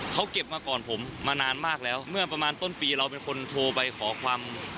เขาเก็บมาก่อนผมมานานมากแล้วเมื่อประมาณต้นปีเราเป็นคนโทรไปขอความ